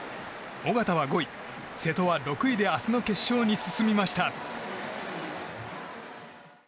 小方は５位、瀬戸は６位で明日の決勝に進みました。